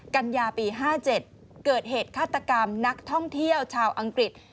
กัญญาปี๕๗เกิดเหตุฆาตกรรมนักท่องเที่ยวชาวอังกฤษ